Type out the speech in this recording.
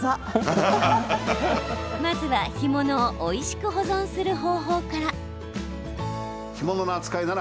まずは干物をおいしく保存する方法から。